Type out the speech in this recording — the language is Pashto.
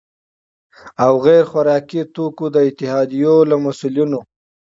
او غیر خوراکي توکو د اتحادیو له مسؤلینو،